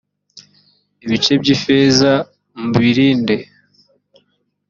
ibice by ‘ifeza mubirinde.